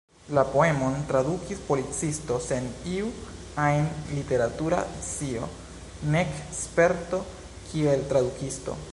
La poemon tradukis policisto sen iu ajn literatura scio nek sperto kiel tradukisto.